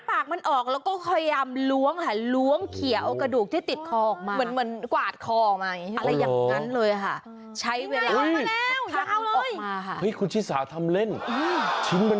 แล้วก็พยายามหลวงเหลวงเขียวกระดูกที่ติดคอออกมา